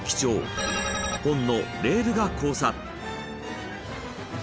本のレールが交差」